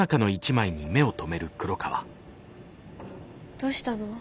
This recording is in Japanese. どうしたの？